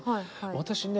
私ね